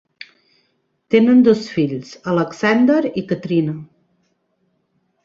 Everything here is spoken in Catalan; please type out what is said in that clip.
Tenen dos fills, Alexander i Katrina.